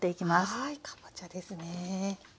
はいかぼちゃですね。